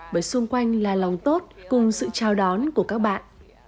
bởi xung quanh là lòng tốt cùng sự chào đón của các bạn